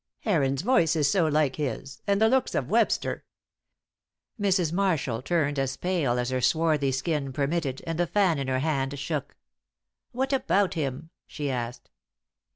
"Heron's voice is so like his and the looks of Webster." Mrs. Marshall turned as pale as her swarthy skin permitted, and the fan in her hand shook. "What about him?" she asked.